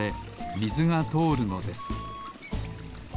みずがとおるのです